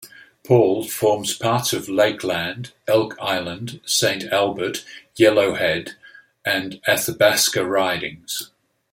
Paul from parts of Lakeland, Elk Island, Saint Albert, Yellowhead and Athabasca ridings.